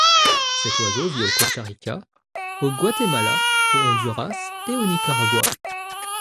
Cet oiseau vit au Costa Rica, au Guatemala, au Honduras et au Nicaragua.